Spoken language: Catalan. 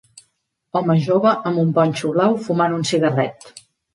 Home jove amb un ponxo blau fumant un cigarret.